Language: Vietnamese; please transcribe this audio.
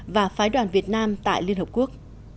và phái đoàn việt nam tại liên hợp quốc